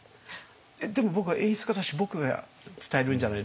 「えっでも僕は演出家だし僕が伝えるんじゃないの？」。